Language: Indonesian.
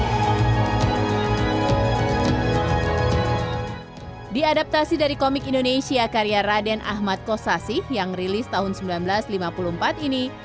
didaptasi dari komik indonesia karya raden ahmad kosasih yang rilis tahun seribu sembilan ratus lima puluh empat ini